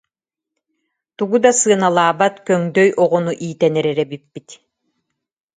Тугу да сыаналаабат көҥдөй оҕону иитэн эрэр эбиппит